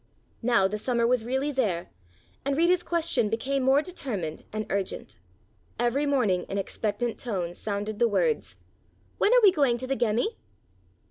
Now the Summer was really there, and Rita's question became more determined and urgent. Every morning in expectant tones sounded the words: "When are we going to the Gemmi?"